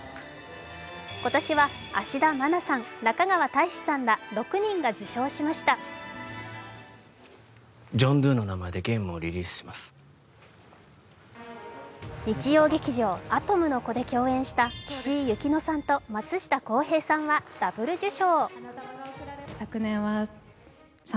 今年は芦田愛菜さん中川大志さんら６人が受賞しました日曜劇場「アトムの童」で共演した岸井ゆきのさんと松下洸平さんはダブル受賞。